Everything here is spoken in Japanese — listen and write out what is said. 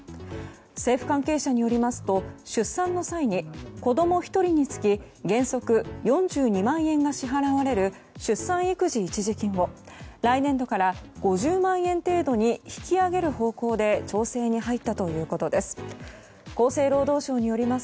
政府関係者によりますと出産の際に子供１人につき原則４２万円が支払われる出産育児一時金を来年度から５０万円程度に引き上げる方向で調整に入ったということです。